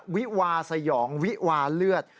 วิวาสยองวิวาเลือด